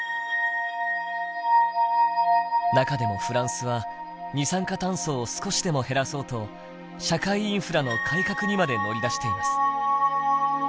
中でもフランスは二酸化炭素を少しでも減らそうと社会インフラの改革にまで乗り出しています。